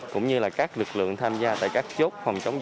cũng như là các lực lượng tham gia tại các chốt